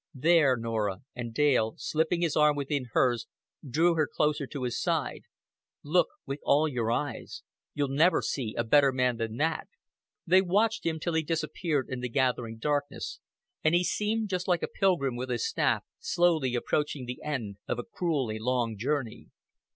"There, Norah;" and Dale, slipping his arm within hers, drew her closer to his side. "Look with all your eyes. You'll never see a better man than that." They watched him till he disappeared in the gathering darkness; and he seemed just like a pilgrim with his staff, slowly approaching the end of a cruelly long journey.